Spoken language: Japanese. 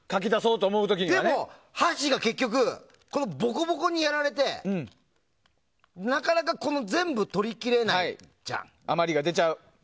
でも、箸が結局このボコボコにやられてなかなか全部取り切れないじゃん。